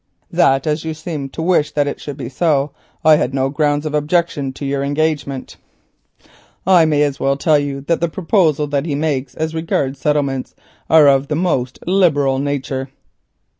"That as you seemed to wish that things should be so, I had no ground of objection to your engagement. I may as well tell you that the proposals which he makes as regards settlements are of the most liberal nature."